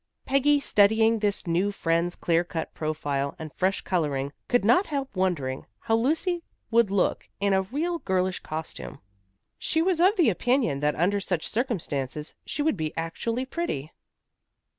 Peggy studying this new friend's clear cut profile and fresh coloring, could not help wondering how Lucy would look in a really girlish costume. She was of the opinion that under such circumstances she would be actually pretty.